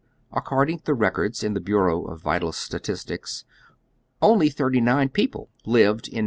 According to the records in the Bureau of Vital Statistics only thirty nine people lived in No.